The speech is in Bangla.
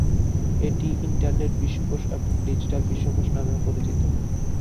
এটি ইন্টারনেট বিশ্বকোষ এবং ডিজিটাল বিশ্বকোষ নামেও পরিচিত।